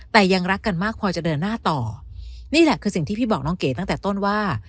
แต่ยังรักกันมากพอจะเดินหน้าต่อนี่แหละคือสิ่งที่พี่บอกน้องเก๋ตั้งแต่ต้นว่า